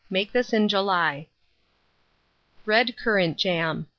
Make this in July. RED CURRANT JAM.